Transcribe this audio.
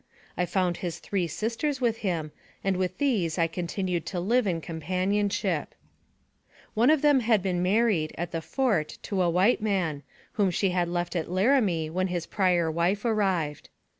I found his three 120" NARRATIVE OF CAPTIVITY sisters with him, and with these I continned to live in companionship. One of them had been married, at the fort, to a white man, whom she had left at Larimie when his prior wife arrived.